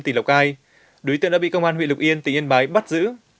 tỉnh lào cai đối tượng đã bị công an huyện lục yên tỉnh yên bái bắt giữ